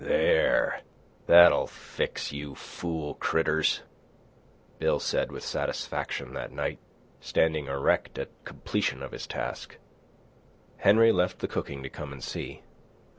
"There, that'll fix you fool critters," Bill said with satisfaction that night, standing erect at completion of his task. Henry left the cooking to come and see.